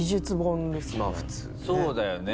そうだよね。